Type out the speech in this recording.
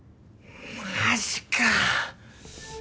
・マジか！